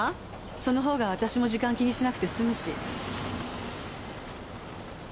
そのほうが私も時間気にしなくて済むし。